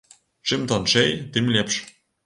Чым танчэй, тым лепш.